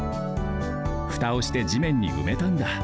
ふたをしてじめんにうめたんだ。